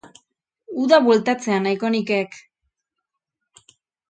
Uda bueltatzea nahiko nikek